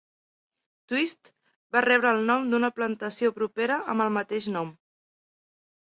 Twist va rebre el nom d'una plantació propera amb el mateix nom.